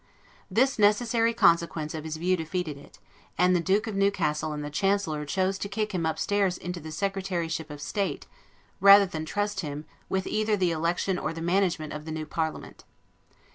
This necessary consequence of his view defeated it; and the Duke of Newcastle and the Chancellor chose to kick him upstairs into the Secretaryship of State, rather than trust him with either the election or the management of the new parliament.